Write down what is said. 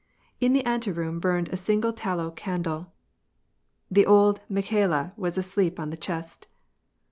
In the anteroom burned a single tallow candle. The old Mikhalla was asleep on the chest.